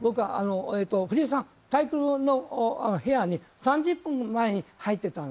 僕は藤井さん対局の部屋に３０分前に入ってたの。